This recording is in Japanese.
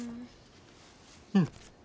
うん。